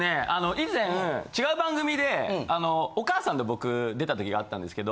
以前違う番組でお母さんと僕出たときがあったんですけど。